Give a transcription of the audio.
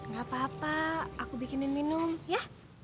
tidak apa apa saya akan membuat minum ya